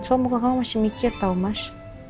soalnya muka kamu masih mikir tau mas